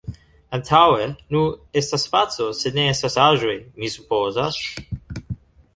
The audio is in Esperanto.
Antaŭe… Nu, estas spaco, sed ne estas aĵoj, mi supozas.